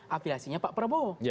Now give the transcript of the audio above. afilasinya pak prabowo